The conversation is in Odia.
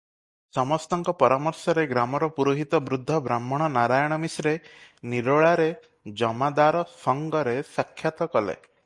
ସମସ୍ତଙ୍କ ପରାମର୍ଶରେ ଗ୍ରାମର ପୁରୋହିତ ବୃଦ୍ଧ ବ୍ରାହ୍ମଣ ନାରାୟଣ ମିଶ୍ରେ ନିରୋଳାରେ ଜମାଦାର ସଙ୍ଗରେ ସାକ୍ଷାତ କଲେ ।